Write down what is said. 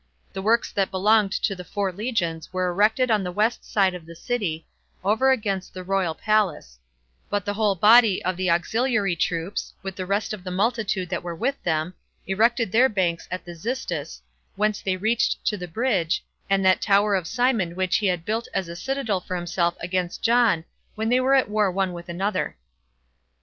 The works that belonged to the four legions were erected on the west side of the city, over against the royal palace; but the whole body of the auxiliary troops, with the rest of the multitude that were with them, [erected their banks] at the Xystus, whence they reached to the bridge, and that tower of Simon which he had built as a citadel for himself against John, when they were at war one with another.